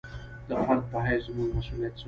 د فرد په حیث زموږ مسوولیت څه وي.